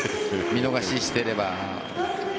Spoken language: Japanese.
見逃ししてれば。